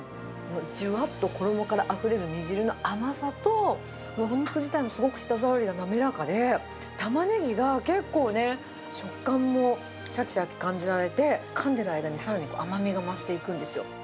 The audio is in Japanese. じゅわっと衣からあふれる煮汁の甘さと、もうお肉自体も本当に舌触りが滑らかで、タマネギが結構ね、食感もしゃきしゃき感じられて、かんでる間に、さらに甘みが増していくんですよ。